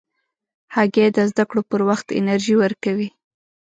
هګۍ د زده کړو پر وخت انرژي ورکوي.